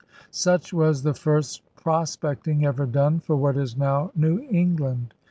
Such was the first prospecting ever done for what is now New Eng land.